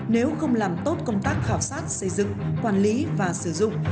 nếu không làm tốt công tác khảo sát xây dựng quản lý và sử dụng